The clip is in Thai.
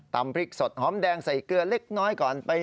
พริกสดหอมแดงใส่เกลือเล็กน้อยก่อนไป